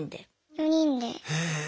４人で。